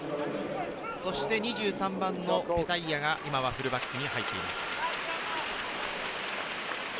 ２３番のペタイアが今はフルバックに入っています。